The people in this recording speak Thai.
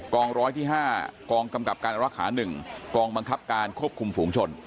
ร้อยที่๕กองกำกับการรักษา๑กองบังคับการควบคุมฝูงชน